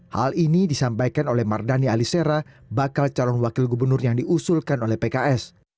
hal ini disampaikan oleh mardhani alisera bakal calon wakil gubernur yang diusulkan oleh pks